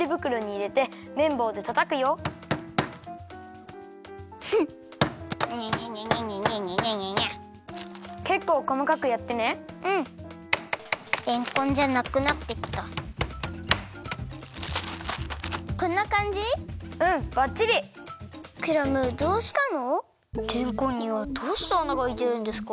れんこんにはどうしてあながあいてるんですか？